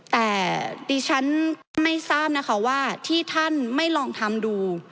แต่ดิฉันไม่ทราบนะคะว่าที่ท่านไม่ลองทำดู